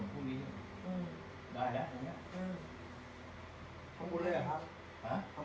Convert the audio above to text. คำบูรณ์เลยหรอครับ